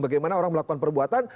bagaimana orang melakukan perbuatan